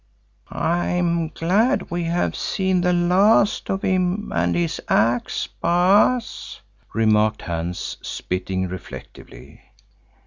"I am glad we have seen the last of him and his axe, Baas," remarked Hans, spitting reflectively.